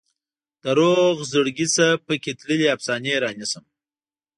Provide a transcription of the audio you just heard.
د روغ زړګي نه پکې تللې افسانې رانیسم